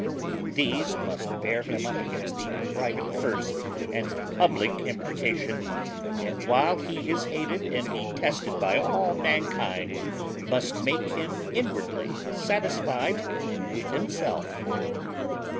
These must bear him up against the private curse and public imprecation, and, while he is hated and detested by all mankind, must make him inwardly satisfied with himself.